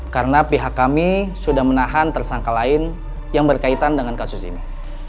karena pihak kami sudah menahan tersangka lain yang berkaitan dengan kasus ini